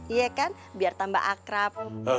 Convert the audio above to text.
iya kan biar tambah akrab